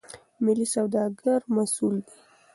ملي سوداګر مسئول دي.